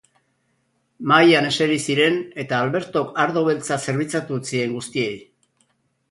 Mahaian eseri ziren eta Albertok ardo beltza zerbitzatu zien guztiei.